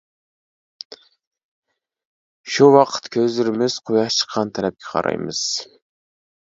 شۇ ۋاقىت كۆزلىرىمىز قۇياش چىققان تەرەپكە قارايمىز.